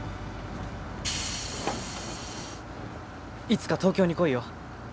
いつか東京に来いよ。